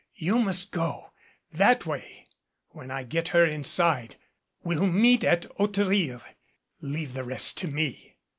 You must go that way when I get her inside. We'll meet at Hauterire. Leave the rest to me."